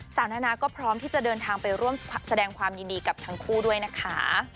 นานาก็พร้อมที่จะเดินทางไปร่วมแสดงความยินดีกับทั้งคู่ด้วยนะคะ